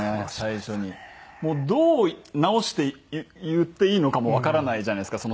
もうどう直して言っていいのかもわからないじゃないですか